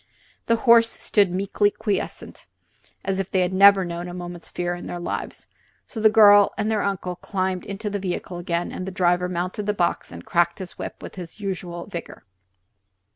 The horses stood meekly quiescent, as if they had never known a moment's fear in their lives. So the girls and their uncle climbed into the vehicle again and the driver mounted the box and cracked his whip with his usual vigor.